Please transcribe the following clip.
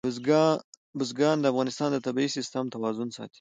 بزګان د افغانستان د طبعي سیسټم توازن ساتي.